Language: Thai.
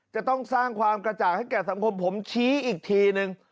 จะต้องสร้างความกระจ่างให้แก่สังคมผมชี้อีกทีนึง